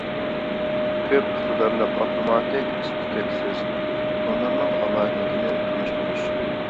كۆپ ئىقتىدارلىق ئاپتوماتىك ئىس ئىس-تۈتەكسىز تونۇرنىڭ ئالاھىدىلىكىنى تونۇشتۇرۇش.